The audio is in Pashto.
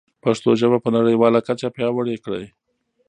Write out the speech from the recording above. پښتو ژبه په نړیواله کچه پیاوړې کړئ.